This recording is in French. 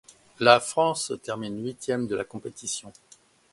La France termine huitième de la compétition.